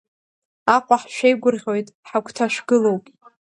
Аҟәа, ҳшәеигәырӷьоит, ҳагәҭа шәгылоуп.